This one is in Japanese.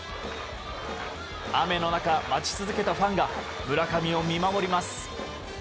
雨の中、待ち続けたファンが村上を見守ります。